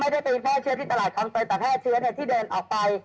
ไม่ได้ตีแพร่เชื้อที่ตลาดเขาไปแต่แพร่เชื้อเนี่ยที่เดินออกไป